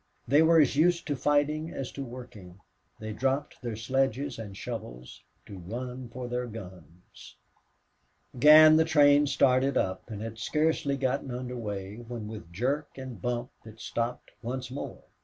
They were as used to fighting as to working. They dropped their sledges or shovels to run for their guns. Again the train started up and had scarcely gotten under way when with jerk and bump it stopped once more.